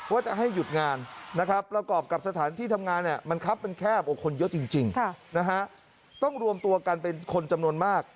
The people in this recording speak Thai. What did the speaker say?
ว่าจะให้หยุดงานนะครับประกอบกับสถานที่ทำงาน